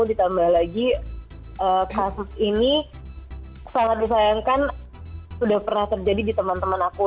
ditambah lagi kasus ini sangat disayangkan sudah pernah terjadi di teman teman aku